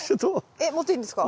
えっ持っていいんですか？